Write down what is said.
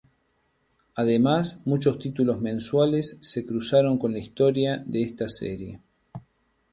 Además, muchos títulos mensuales se cruzaron con la historia de esta serie.